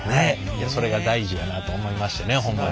それが大事やなと思いましてねホンマに。